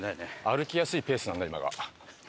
歩きやすいペースなんだ今が。